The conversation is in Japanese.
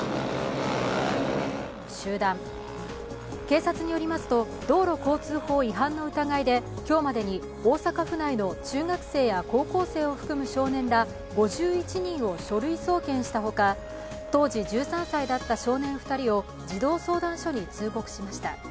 警察によりますと道路交通法違反の疑いで今日までに、大阪府内の中学生や高校生を含む少年ら５１人を書類送検したほか、当時１３歳だった少年２人を児童相談所に通告しました。